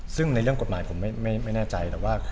ซึ่งห้องกฎหมายผมไม่แน่ใจ